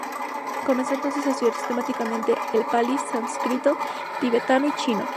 Comenzó entonces a estudiar sistemáticamente el Pali, Sánscrito, Tibetano y Chino.